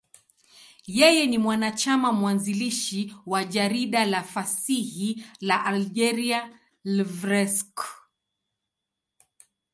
Yeye ni mwanachama mwanzilishi wa jarida la fasihi la Algeria, L'Ivrescq.